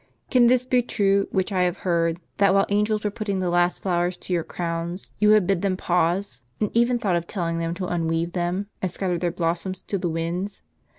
Can this be true which I have heard, that while angels were jDutting the last flower to your crowns, you have bid them pause, and even thought of telling them to unweave them, and scatter their blossoms to the Avinds